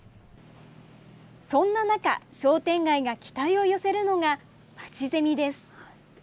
そんな中、商店街が期待を寄せるのがまちゼミです。